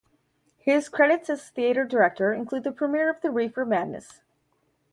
His credits as a theater director include the premiere of the Reefer Madness!